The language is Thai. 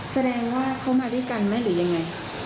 แสดงว่าเขามาด้วยกันไหมหรือยังไง